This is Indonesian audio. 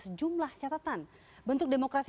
sejumlah catatan bentuk demokrasi